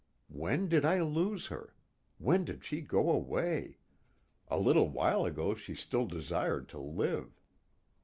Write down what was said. _When did I lose her? When did she go away? A little while ago she still desired to live.